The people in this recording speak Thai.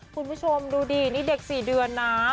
คุณผู้ชมดูดินี่เด็ก๔เดือนนะ